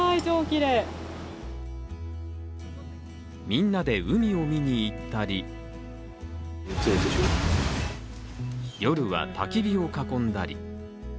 みんなで海を見に行ったり夜はたき火を囲んだり。